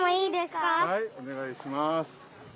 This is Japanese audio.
はいおねがいします。